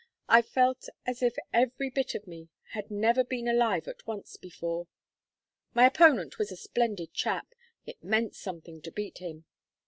"I felt as if every bit of me had never been alive at once before. My opponent was a splendid chap. It meant something to beat him.